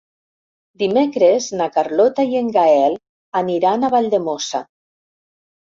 Dimecres na Carlota i en Gaël aniran a Valldemossa.